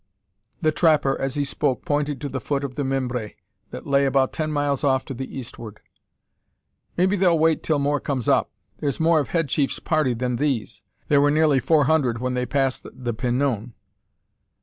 The trapper, as he spoke, pointed to the foot of the Mimbres, that lay about ten miles off to the eastward. "Maybe they'll wait till more comes up. There's more of head chief's party than these; there were nearly four hundred when they passed the Pinon."